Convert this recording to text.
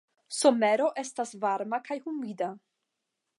Somero estas varma kaj humida.